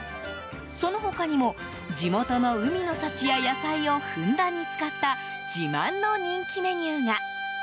その他にも、地元の海の幸や野菜をふんだんに使った自慢の人気メニューが。